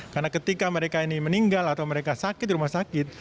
karena ketika mereka ini meninggal atau mereka sakit di rumah sakit